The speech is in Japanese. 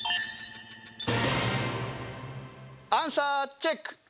アンサーチェック！